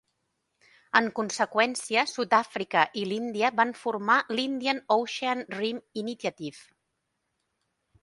En conseqüència, Sud-àfrica i l'Índia van formar l'Indian Ocean Rim Initiative.